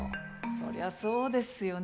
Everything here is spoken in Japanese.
そりゃそうですよね